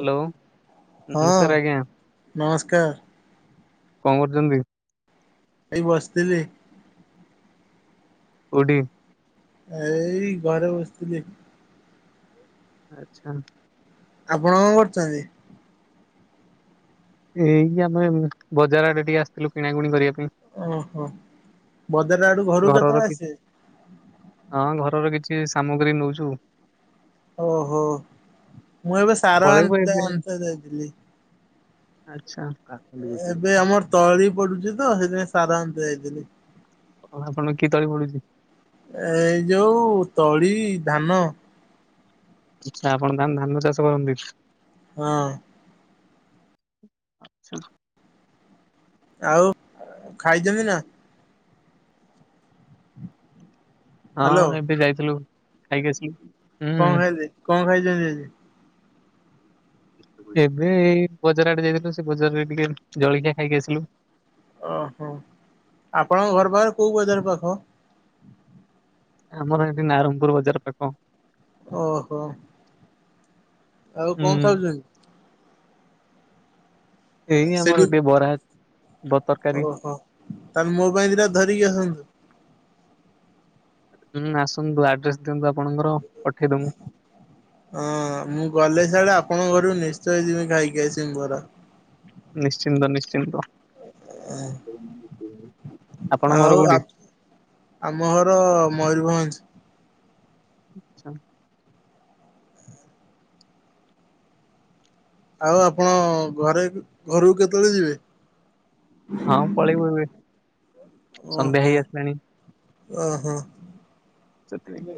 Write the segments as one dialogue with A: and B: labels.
A: Hello
B: ହଁ
A: ନମସ୍କାର ଆଜ୍ଞା
B: ନମସ୍କାର
A: କଣ କରୁଛନ୍ତି?
B: ଏଇ ବସିଥିଲି।
A: କୋଉଠି?
B: ଏଇ ଘରେ ବସିଥିଲି।
A: ଆଛା।
B: ଆପଣ କଣ କରୁଛନ୍ତି?
A: ଏଇଠି ଆମେ ବଜାର ଆଡେ ଟିକେ ଆସିଥିଲୁ କିଣାକିଣି କରିବା ପାଇଁ।
B: ଓହୋ ବଜାର ଆଡୁ ଘରକୁ
A: ଘରର
B: କେତେବେଳେ
A: କି
B: ଆସିବେ?
A: ହଁ ଘରର କିଛି ସାମଗ୍ରୀ ନଉଛୁ।
B: ଓହୋ ମୁଁ ଏବେ ସାର
A: ପଳେଇବୁ
B: ଆନ୍ତ
A: ଏବେ
B: ଆନ୍ତେ ଯାଇଥିଲି।
A: ଆଚ୍ଛା।
B: ଏବେ ଆମର ତଳି ପଡୁଛି ତ ସେଇଥିପାଇଁ ସାର ଆନ୍ତେ ଯାଇଥିଲି।
A: କ ଆପଣଙ୍କୁ କି ତଳି ପଡୁଛି?
B: ଏଇ ଯୋଉ ତଳି ଧାନ।
A: ଆଛା ଆପଣ ତାହନେ ଧାନ ଚାଷ କରନ୍ତି।
B: ହଁ।
A: ଆଛା
B: ଆଉ ଖାଇଛନ୍ତି ନା।
A: ହଁ
B: ହ୍ୟାଲୋ
A: ଏବେ ଯାଇଥିଲୁ ଖାଇକି ଆସିଲୁ।
B: କଣ
A: ହୁଁ
B: ଖାଇଲେ କଣ ଖାଇଛନ୍ତି ଆଜି।
A: [inaudible] ଏବେ ଏଇ ବଜାର ଆଡେ ଯାଇଥିଲୁ ସେ ବଜାରରେ ଟିକେ ଜଳଖିଆ ଖାଇକି ଆସିଲୁ।
B: ଓହୋ ଆପଣଙ୍କ ଘର ପାଖରେ କୋଉ ବଜାର ପାଖ?
A: ଆମର ଏଠି ନାରଙ୍ଗପୁର ବଜାର ପାଖ।
B: ଓହୋ। ଆଉ
A: ହୁଁ
B: କଣ ଖାଇଛନ୍ତି?
A: ଏଇଁ
B: ସେଠି
A: ଆମର ଟିକେ ବରା। ବ ତରକାରୀ
B: ଓହୋ ତାହେଲେ ମୋ ପାଇଁ ଦିଟା ଧରିକି ଆସନ୍ତୁ।
A: ହୁଁ ଆସନ୍ତୁ ଆଡ୍ରେସ ଦିଅନ୍ତୁ ଆପଣଙ୍କର। ପଠେଇ ଦମୁ।
B: ହଁ ମୁଁ ଗଲେ ସିଆଡେ ଆପଣଙ୍କ ଘରକୁ ନିଶ୍ଚୟ ଯିବି ଖାଇକି ଆସିମି ବରା।
A: ନିଶ୍ଚିନ୍ତ ନିଶ୍ଚିନ୍ତ ଆପଣ
B: ଆଉ
A: ଘର କୋଉଠି?
B: ଆମ ଘର ମୟୂରଭଞ୍ଜ।
A: ଆଛା
B: ଆଉ ଆପଣ ଘରେ ଘରକୁ କେତେବେଳେ ଯିବେ?
A: ହଁ ପଳେଇବୁ ଏବେ। ସନ୍ଧ୍ୟା ହେଇ ଆସିଲାଣି।
B: ଅ ହଁ
A: [unintelligible]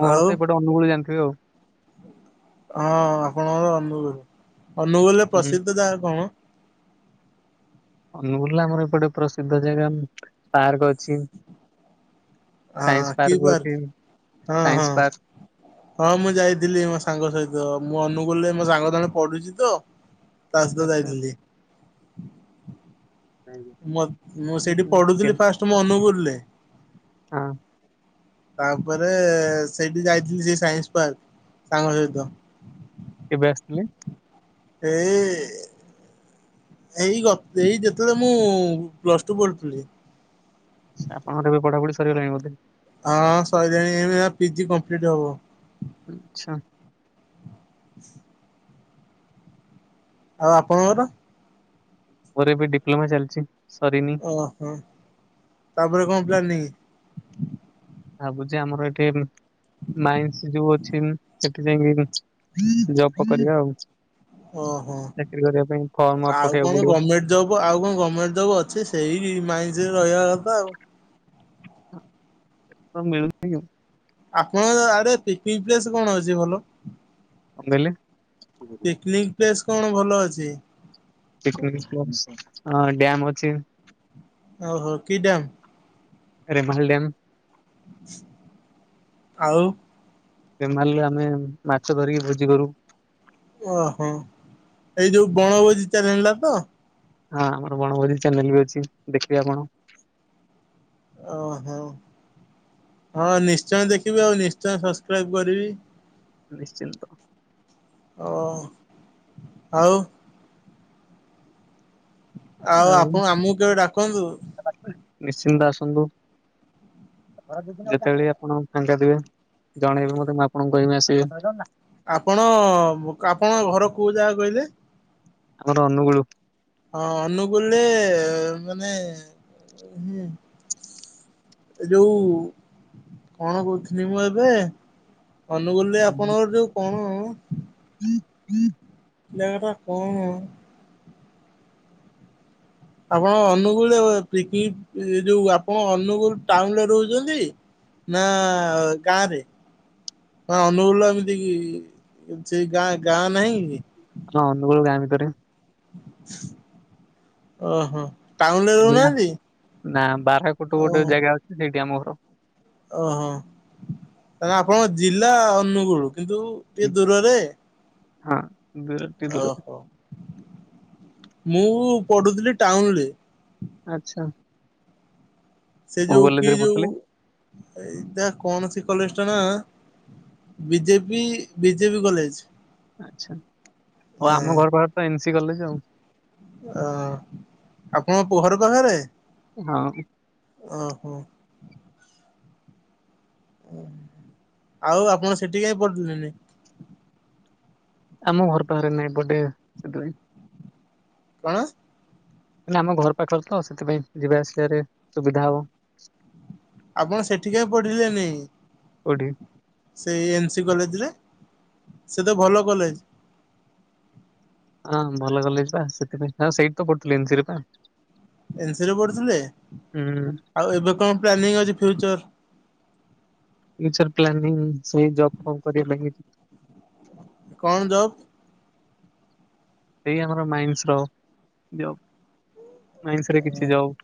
A: ମୋ ଘର
B: ଆଉ ହଁ
A: ତ ଏପଟେ ଅନୁଗୁଳ ଜାଣିିଥିବେ ଆଉ।
B: ହଁ ଆପଣଙ୍କର ଅନୁଗୁଳ। ଅନୁଗୁଳରେ
A: ହୁଁ
B: ପ୍ରସିଦ୍ଧ ଜାଗା କଣ?
A: ଅନୁଗୁଳରେ ଆମର ଏପଟେ ପ୍ରସିଦ୍ଧ ଜାଗା ପାର୍କ ଅଛି।
B: ହଁ
A: ସାଇନ୍ସ
B: କି
A: ପାର୍କ [unintelligible]
B: ହଁ ହଁ।
A: ସାଇନ୍ସ ପାର୍କ
B: ହଁ ମୁଁ ଯାଇଥିଲି ମୋ ସାଙ୍ଗ ସହିତ ମୁଁ ଅନୁଗୁଳରେ ମୋ ସାଙ୍ଗ ଜଣେ ପଢ଼ୁଛି ତ। ତା ସହିତ
A: ଆଚ୍ଛା।
B: ଯାଇଥିଲି।
A: ହୁଁ
B: ମତ୍ ମୁଁ ସେଇଠି
A: ହୁଁ କେ
B: ପଢ଼ୁଥିଲି ଫାଷ୍ଟ୍ ମୋ ଅନୁଗୁଳରେ।
A: ହଁ
B: ତାପରେ ସେଇଠି ଯାଇଥିଲି ସେ ସାଇନ୍ସ ପାର୍କ, ସାଙ୍ଗ ସହିତ।
A: କେବେ ଆସିଥିଲେ?
B: ଏ ଏଇ ଗ ଏଇ ଯେତେବେଳେ ମୁଁ ପ୍ଲସ୍ ଟୁ ପଢ଼ୁଥିଲି।
A: ସା ଆପଣଙ୍କର ଏବେ ପଢ଼ାପଢ଼ି ସରିଗଲାଣି ବୋଧେ?
B: ହଁ ସହିଲାଣି ଏବେ ପିଜି କମ୍ପ୍ଲିଟ୍ ହବ।
A: ଆଚ୍ଛା
B: [inaudible] ଆଉ ଆପଣଙ୍କର?
A: ମୋର ଏବେ ଡିପ୍ଲମା ଚାଲିଛି ସରିନି।
B: ଅହ ତାପରେ କଣ ପ୍ଲାନିଙ୍ଗ୍?
A: ଭାବୁଛି ଆମର ଏଠି ମାଇନ୍ସ ଯୋଉ ଅଛି ସେଠି ଯାଇକି ଜପ କରିବା ଆଉ।
B: ଓହୋ।
A: ଚାକିରି କରିବା ପାଇଁ ଫର୍ମ
B: ଆଉ କଣ
A: ପକେଇଆକୁ ପଡ଼ିବ।
B: ଗଭର୍ଣ୍ଣମେଣ୍ଟ ଜବ ଆଉ କଣ ଗମେଣ୍ଟ ଜବ୍ ଅଛି ସେଇ ମାଇନ୍ସ ରେ ରହିବା କଥା ଆଉ
A: ତ ମିଳୁ
B: ଆପଣଙ୍କ ଆଡ଼େ ପିକନିକ ପ୍ଲେସ୍ କଣ ଅଛି ଭଲ?
A: କଣ କହିଲେ
B: ପିକନିକ ପ୍ଲେସ କଣ ଭଲ ଅଛି?
A: ପିକନିକ ପ୍ଲସ୍ ଡ୍ୟାମ ଅଛି।
B: ଓହୋ କି ଡ଼୍ୟାମ?
A: ରେମାହଲ୍ ଡ୍ୟାମ୍।
B: ଆଉ?
A: ଏ ମାରିଲେ ଆମେ ମାଛ ଧରିକି ଭୋଜି କରୁ।
B: ଓହୋ ଏଇ ଯୋଉ ବଣଭୋଜି ଚ୍ୟାନେଲ ଟା ତ?
A: ହାଁ ଆମର ବଣଭୋଜି ଚ୍ୟାନେଲ ବି ଅଛି। ଦେଖିବେ ଆପଣ।
B: ଓହୋ ହଁ ନିଶ୍ଚୟ ଦେଖିବି ଆଉ ନିଶ୍ଚୟ ସସସ୍କ୍ରାଇବ କରିବି।
A: ନିଶ୍ଚିନ୍ତ।
B: ଓ ଆଉ? ଆଉ ଆପଣ ଆମକୁ କେବେ ଡ଼ାକନ୍ତୁ?
A: ନିଶ୍ଚିନ୍ତ ଆସନ୍ତୁ। ଯେତେବେଳେ ବି ଆପଣ ଫାଙ୍କା ଥିବେ। ଜଣେଇବେ ମତେ ମୁଁ ଆପଣଙ୍କୁ କହିବି ଆସିବେ।
B: ଆପଣ [unintelligible] ଆପଣଙ୍କ ଘର କୋଉ ଜାଗା କହିଲେ?
A: ଆମର ଅନୁଗୁଳୁ।
B: ହଁ ଅନୁଗୁଳରେ ମାନେ ହୁଁ। ଏ ଯୋଉ କଣ କହୁଥିଲି ମୁଁ ଏବେ? ଅନୁଗୁଳରେ ଆପଣଙ୍କର ଯୋଉ କଣ
A: ହୁଁ ହୁଁ
B: ଜାଗାଟା କଣ? ଆପଣ ଅନୁଗୁଳରେ [unintelligible] ପିକି ଏଯୋଉ ଆପଣ ଅନୁଗୁଳ ଟାଉନରେ ରହୁଛନ୍ତି? ନା ଗାଁ ରେ? ହଁ ଅନୁଗୁଳର ଏମିତିକି ସେଇ ଗାଁ ଗାଁ ନାହିଁ କି
A: ହଁ ଅନୁଗୁଳୁ ଗାଁ ଭିତରେ।
B: ଓହୋ। ଟାଉନରେ
A: ଏଇ ଭଳିଆ
B: ରହୁନାହାନ୍ତି
A: ନା ବାରାକୁଟୁ ଗୋଟେ
B: ଓହୋ
A: ଜାଗା ଅଛି ସେଇଠି ଆମ ଘର।
B: ଓହୋ ତାହାଲେ ଆପଣଙ୍କ ଜିଲ୍ଲା ଅନୁଗୁଳୁ କିନ୍ତୁ ଟିକେ ଦୂରରେ।
A: ହଁ ଦୂରରେ। ଟିକେ
B: ଓହୋ ମୁଁ ପଢୁଥିଲି ଟାଉନରେ।
A: ଆଚ୍ଛା।
B: ସେ
A: କୋଉ
B: ଯୋଉ କି
A: କଲେଜରେ
B: ଯୋଉ
A: ପଢୁଥିଲେ
B: ଏଇ ଯା କଣ ସେ କଲେଜଟା ନାଁ। B J P B J P college.
A: ଆଚ୍ଛା ଆଉ
B: ହଁ
A: ଆମ ଘର ପାଖରେ ତ ଏନ୍ ସି କଲେଜ ଆଉ।
B: ଓଃ ଆପଣଙ୍କ ପ ଘର ପାଖେରେ?
A: ହଁ।
B: ଓହୋ। ଓହୋ ଆଉ ଆପଣ ସେଇଠି କାଇଁ ପଢିଲେନି?
A: ଆମ ଘର ପାଖରେ ନାଇଁ ଏପଟେ ସେଥିପାଇଁ।
B: କଣ?
A: ନାଇଁ ଆମ ଘର ପାଖରେ ତ ସେଥିପାଇଁ ଯିବା ଆସିବାରେ ସୁବିଧା ହବ।
B: ଆପଣ ସେଠି କାଇଁ ପଢିଲେନି?
A: କୋଉଠି
B: ସେଇ ଏନ୍ ସି କଲେଜରେ ସେ ତ ଭଲ କଲେଜ।
A: ହଁ ଭଲ କଲେଜ ବା। ସେଥିପାଇଁ ଆଉ ସେଇଠି ତ ପଢ଼ୁଥିଲି ଏନ୍‌ ସିରେ ପା।
B: ଏନ୍ ସିରେ ପଢୁଥିଲେ?
A: ହୁଁ
B: ଆଉ ଏବେ କଣ ପ୍ଲାନିଂ ଅଛି ଫ୍ୟୁଚର?
A: ଫ୍ୟୁଚର୍ ପ୍ଲାନିଂ ସେଇ ଜବ୍ ଫବ୍ କରିବା ଲାଗି [unintelligible]
B: କଣ ଜବ୍?
A: ସେଇ ଆମର ମାଇନ୍ସର ଜବ୍। ମାଇନ୍ସରେ କିଛି ଜବ୍।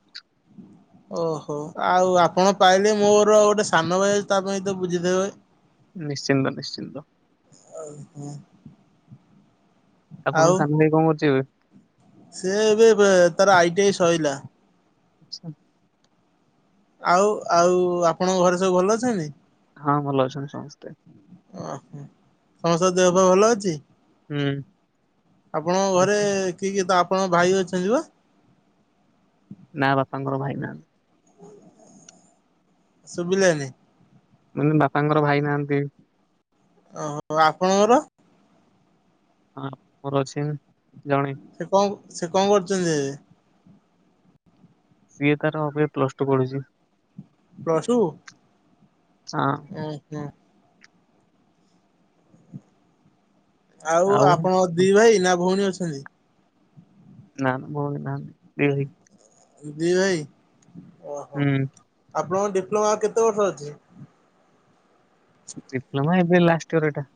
B: ଓହୋ ଆଉ ଆପଣ ପାଇଲେ ମୋର ଆଉ ଗୋଟେ ସାନ ଭାଇ ଅଛି ତା ପାଇଁ ତ ବୁଝି ଦେବେ?
A: ନିଶ୍ଚିନ୍ତ ନିଶ୍ଚିନ୍ତ।
B: ହଉ ହୁଁ।
A: ଆପଣଙ୍କ ସାନ ଭାଇ କଣ କରୁଛି ଏବେ?
B: ସେ ଏବେ ଏବେ ତାର ଆଇ ଟି ଆଇ ସଇଲା।
A: ଆଚ୍ଛା।
B: ଆଉ ଆଉ ଆପଣଙ୍କ ଘରେ ସବୁ ଭଲ ଅଛନ୍ତି?
A: ହଁ ଭଲ ଅଛନ୍ତି ସମସ୍ତେ।
B: ଓହୋ ସମସ୍ତଙ୍କ ଦେହ ପାହ ଭଲ ଅଛି?
A: ହୁଁ
B: ଆପଣଙ୍କ
A: ସବୁ।
B: ଘରେ କିଏ କିଏ? ତ ଆପଣଙ୍କ ଭାଇ ଅଛନ୍ତି ବା?
A: ନା ବାପାଙ୍କର ଭାଇ ନାହାନ୍ତି।
B: ହ ଶୁବିଲାନି
A: ମାନେ ନେ ବାପାଙ୍କର ଭାଇ ନାହାନ୍ତି
B: ଓହୋ ଆପଣଙ୍ଗର
A: ହଁ ମୋର ଅଛି ନା ଜଣେ
B: ସେ କନ୍ କନ୍ ସେ କଣ କରୁଛନ୍ତି
A: ସିଏ ତାର ଏବେ ପ୍ଲସଟୁ ପଢୁଛି
B: ପ୍ଲସ୍ଟୁ
A: ହଁ
B: ହଁ ଆଜ୍ଞା ଆଉ ଆପଣଙ ଦି ଭାଇ ନା ଭଉଣୀ ଅଛନ୍ତି
A: ନା ମୋ ଭଉଣି ନାହାନ୍ତି ଦି ଭାଇ
B: ଦି ଭାଇ ଓହୋ
A: ହୁଁ
B: ଆପଣଙ୍କ ଡିପ୍ଲୋମା କେତେ ବର୍ଷ ଅଛି
A: ଡିପ୍ଲୋମା ଏବେ ଲାଷ୍ଟ ଇୟର ଏଟା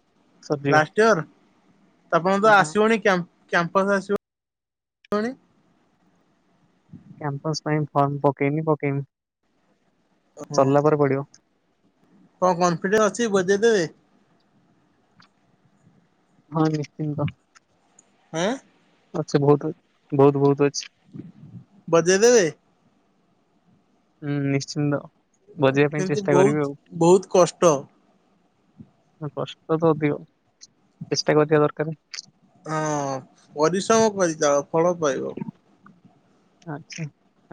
B: ଲାଷ୍ଟ୍ ଇୟର୍ ଆପଣ ତ
A: ହଁ
B: ଆସିବଣି କ୍ୟାମ୍ପ କ୍ୟାମ୍ପସ ଆସିବ
A: କ୍ୟାମ୍ପସ ପାଇଁ ଫର୍ମ ପକେଇନି ପକେଇମି
B: ହଁ
A: ସର୍ଲା ପରେ ପଡିବ
B: କଣ କନଫିଡେଣ୍ଟ ଅଛି ବଜେଇ ଦେବେ
A: ହଁ ନୀଶ୍ଚିନ୍ତ
B: ହଁ
A: ଅଛି ବହୁତ୍ ବହୁତ୍ ବହୁତ୍ ଅଛି
B: ବଜେଇ ଦେଲେ
A: ହୁଁ ନୀଶ୍ଚିନ୍ତ ବଜେଇବା ପାଇଁ
B: କିନ୍ତୁ
A: ଚେଷ୍ଟା
B: ବହୁତ
A: କରିବି ଆଉ
B: ବହୁତ କଷ୍ଟ
A: ହଁ କଷ୍ଟ ତ ଅଧିକ ଚେଷ୍ଟା କରିିିବା ଦରକାରେ
B: ହଁ ପରିଶ୍ରମ କରି ଚାଳ ଫଳ ପାଇବ
A: ଆଛା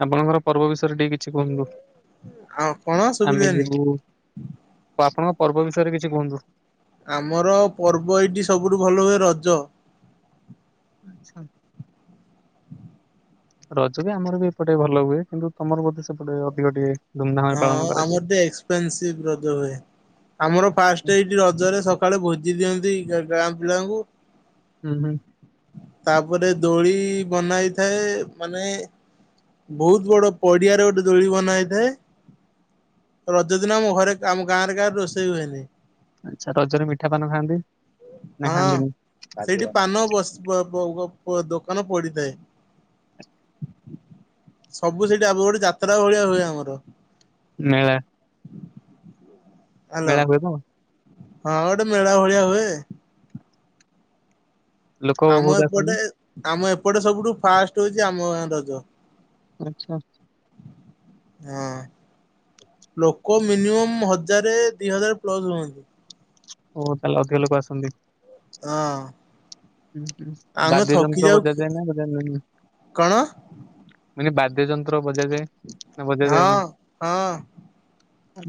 A: ଆପଣଙ୍କର ପର୍ବ ବିଷୟରେ ଟିକେ କିଛି କୁହନ୍ତୁ
B: ଆଉ କଣ
A: ଆମେ
B: ଶୁଭିଲାନି
A: ଯିବୁ ତ ଆପଣଙ୍କ ପର୍ବ ବିଷୟରେ କିଛି କୁହନ୍ତୁ
B: ଆମର ପର୍ବ ଏଇଜି ସବୁଠୁ ଭଲ ହୁଏ ରଜ
A: ଆଛା ରଜ ବି ଆମର ବି ଏପଟେ ଭଲ ହୁଏ କିନ୍ତୁ ତମର ବୋଧେ ସେପଟେ ଅଧିକ ଟିକେ ଧୁମଧାମରେ ପାଳନ
B: ହଁ ଆମ
A: କରାଯାଏ।
B: ଟେ ଏକ୍ସପେନସିଭ ରଜ ହୁଏ ଆମର ଫାଷ୍ଟ ଏଇ ଜୋ ରଜରେ ସକାଳେ ଭୋଜି ଦିଅନ୍ତି ଗାଁ ପିଲାଙ୍କୁ
A: ହୁଁ ହୁଁ
B: ତା ପରେ ଦୋଳି ବନା ହେଇଥାଏ ମାନେ ବହୁତ୍ ବଡ ପଡିଆରେ ଗୋଟେ ଦୋଳି ବନା ହେଇଥାଏ ରଜ ଦିନ ମୋ ଘରେ ଆମ ଗାଁରେ କାହାର ରୋଷେଇ ହୁଏନି
A: ଆଛା ରଜରେ ମିଠା ପାନ ଖାଆନ୍ତି ନା ଖାଆନ୍ତି ନି ଆଗୁଆ
B: ପ ପ ପ ପ ଦୋକାନ ପଡିଥାଏ
A: ହୁଁ
B: ସବୁ ସେଠି ଆଗ ପରି ଯାତ୍ରା ଭଳିଆ ହୁଏ ଆମର
A: ମେଳା
B: ହାଲୋ
A: ମେଳା ହୁଏ ବ
B: ହଁ ଗୋଟେ ମେଳା ଭଳିଆ ହୁଏ
A: ଲୋକ
B: ଆମ
A: ବହୁତ
B: ଏପଟେ
A: ଆସନ୍ତି
B: ଆମ ଏପଟେ ସବୁଠୁ ଫାଷ୍ଟ ହଉଛି ଆମ ଗାଁ ରଜ
A: ଆଛା
B: ହଁ ଲୋକ ମିନିମମ୍ ହଜାର ଦି ହଜାର ପ୍ଲସ ହୁଅନ୍ତି।
A: ଓ ତାହେଲେ ଅଧିକା ଲୋକ ଆସନ୍ତି।
B: ହଁ ଆମେ
A: ବାଦ୍ୟ
B: ଥକି
A: ଯନ୍ତ୍ର
B: ଯାଉ
A: ବଜାଯାଏ ନା ବଜାଯାଏନି?
B: କଣ
A: ମାନେ ବାଦ୍ୟ ଯନ୍ତ୍ର ବଜାଯାଏ। ନା
B: ହଁ
A: ବଜାଯାଏନି?
B: ହଁ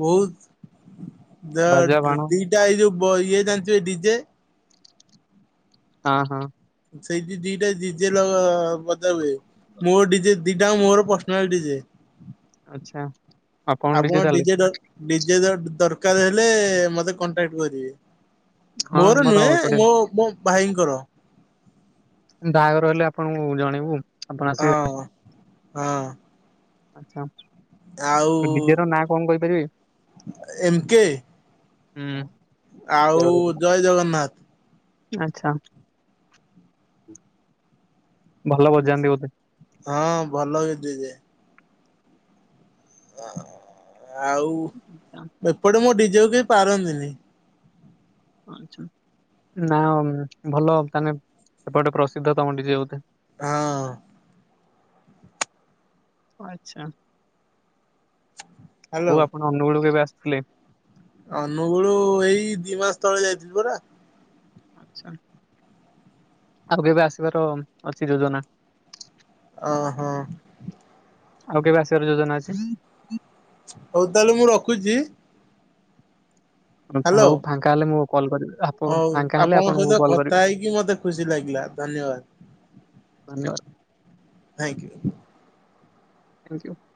B: ବହୁତ
A: ବାଜା ବାଣ
B: ଦୁଇଟା ଏଇ ଯୋଉ ଇଏ ଜାଣିଥିବ ଏ ଡିଜେ
A: ହଁ ହଁ
B: ସେଇଠି ଦିଟା ଡିଜେ ଲ ବଜା ହୁଏ ମୋ ଡିଜେ ଦିଟାଙ୍କ ମୋର ପର୍ସନାଲ ଡିଜେ
A: ଆଚ୍ଛା
B: ଆପଣ ଡିଜେ ର ଡିଜେ ଦରକାର ହେଲେ ମତେ କଣ୍ଟାକ୍ଟ କରିବେ।
A: ହଁ
B: ମୋର
A: ଆମର
B: ନୁହେଁ
A: ଏପଟେ
B: ମୋ ମୋ ଭାଇଙ୍କର।
A: ବାହାଘର ହେଲେ ଆପଣଙ୍କୁ ଜଣେଇବୁ। ଆପଣ ଆସିବେ
B: ହଁ ହଁ
A: ଆଚ୍ଛା
B: ଆଉ
A: ନା କଣ କହିପାରିବେ?
B: ଏମ୍ କେ
A: ହୁଁ
B: ଆଉ ଜୟ ଜଗନ୍ନାଥ।
A: ଆଛା [unintelligible] ଭଲ ବଜାନ୍ତି ବୋଧେ?
B: ହଁ ଭଲ ବି ଦି ଯେ [unintelligible] ଆଉ
A: [inaudible]
B: ଏପଟେ ମୋ ଡିଜେକୁ କେହି ପାରନ୍ତିନି।
A: ଆଚ୍ଛା, ନା ଭଲ ତାନେ ସେପଟେ ପ୍ରସିଦ୍ଧ ତମ ବିଜେ ବୋଧେ?
B: ହଁ
A: ଆଛା [unintelligible]
B: ହ୍ୟାଲୋ।
A: ଆଉ ଆପଣ ଅନୁଗୁଳ କେବେ ଆସିଥିଲେ?
B: ଅନୁଗୁଳ ଏଇ ଦି ମାସ ତଳେ ଯାଇଥିଲି ପରା।
A: ଆଛା ଆଉ କେବେ ଆସିବାର ଅଛି ଯୋଜନା?
B: ଓ ହୋ
A: ଆଉ କେବେ ଆସିବାର ଯୋଜନା ଅଛି?
B: ହଉ ତାହେଲେ ମୁଁ ରଖୁଛି।
A: ଆଚ୍ଛା
B: ହ୍ୟାଲୋ।
A: ହଉ ଫାଙ୍କା ହେଲେ ମୁଁ କଲ୍ କରିବି। ଆପଣ
B: ହଉ
A: ଫାଙ୍କା ହେଲେ
B: ଆପଣଙ୍କ
A: ଆପଣଙ୍କୁ
B: ସହିତ
A: କଲ୍ କରିବି
B: କଥା ହେଇକି ମତେ ଖୁସି ଲାଗିଲା, ଧନ୍ୟବାଦ।
A: ଧନ୍ୟ
B: ଆଁକୁ
A: [unintelligible]